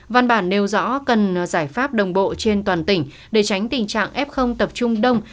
văn bản nêu rõ cần giải pháp đồng bộ trên toàn tỉnh để tránh tình trạng f tập trung đông